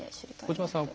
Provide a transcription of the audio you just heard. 小島さん